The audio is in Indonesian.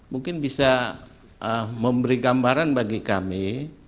mungkin bisa memberi gambaran bagi kami